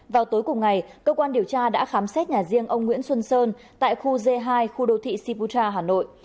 vào tối cùng ngày cơ quan điều tra đã khám xét nhà riêng ông nguyễn xuân sơn tại khu g hai khu đô thị sibucha hà nội